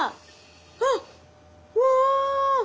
あっうわ！